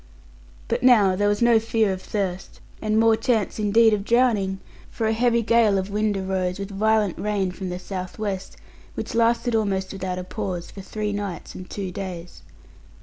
But now there was no fear of thirst, and more chance indeed of drowning; for a heavy gale of wind arose, with violent rain from the south west, which lasted almost without a pause for three nights and two days.